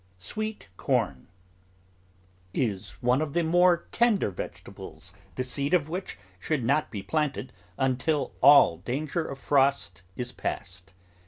SWEET CORN Is one of the more tender vegetables the seed of which should not be planted until all danger of frost is passed.